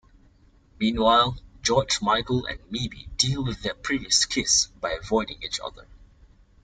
Meanwhile, George Michael and Maeby deal with their previous kiss by avoiding each other.